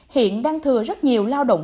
hiện đang thừa rất nhiều lao động